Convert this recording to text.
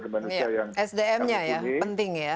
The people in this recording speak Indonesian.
daya manusia yang kami guni